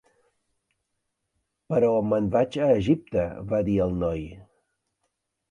"Però me'n vaig a Egipte", va dir el noi.